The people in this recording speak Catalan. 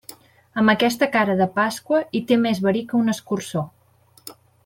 Amb aquesta cara de pasqua, i té més verí que un escurçó.